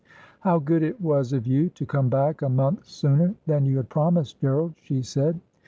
' How good it was of you to come back a month sooner than you had promised, Gerald !' she said.